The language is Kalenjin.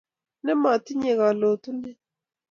Ne maitinye kalotune